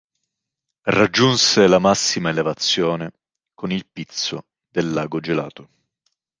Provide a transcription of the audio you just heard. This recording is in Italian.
Raggiunge la massima elevazione con il Pizzo del Lago Gelato.